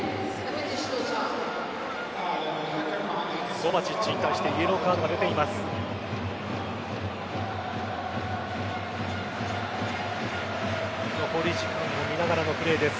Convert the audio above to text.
コヴァチッチに対してイエローカードが出ています。